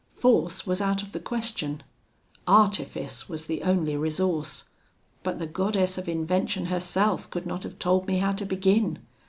Force was out of the question. Artifice was the only resource; but the goddess of invention herself could not have told me how to begin.